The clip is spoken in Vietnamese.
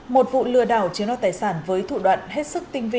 một vụ lừa đảo chiếm đoạt tài sản với thủ đoạn hết sức tinh vi